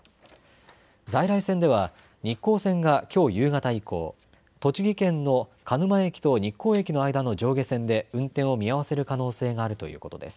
在来線では日光線がきょう夕方以降、栃木県の鹿沼駅と日光駅の間の上下線で運転を見合わせる可能性があるということです。